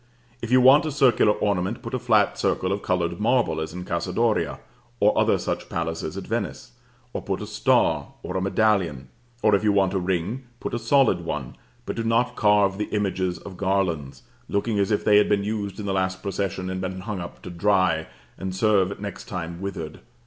If you want a circular ornament, put a flat circle of colored marble, as in the Casa Doria and other such palaces at Venice; or put a star, or a medallion, or if you want a ring, put a solid one, but do not carve the images of garlands, looking as if they had been used in the last procession, and been hung up to dry, and serve next time withered.